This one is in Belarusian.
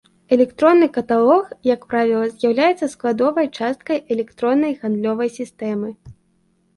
Электронны каталог, як правіла, з'яўляецца складовай часткай электроннай гандлёвай сістэмы.